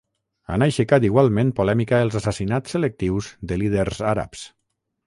Han aixecat igualment polèmica els assassinats selectius de líders àrabs.